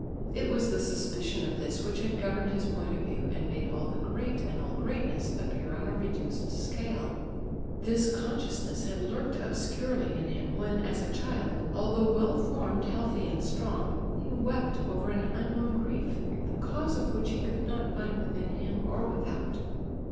It was the suspicion of this which had governed his point of view and made all the great and all greatness appear on a reduced scale. This consciousness had lurked obscurely in him, when, as a child, although well formed, healthy and strong, he wept over an unknown grief, the cause of which he could not find within him or without.